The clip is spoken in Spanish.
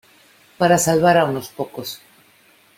para salvar a unos pocos.